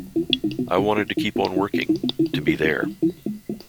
I wanted to keep on working, to be there.